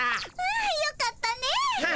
あよかったねえ。